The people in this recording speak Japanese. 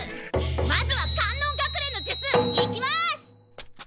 まずは観音隠れの術いきます！